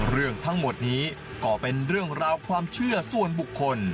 เรื่องทั้งหมดนี้ก็เป็นเรื่องราวความเชื่อส่วนบุคคล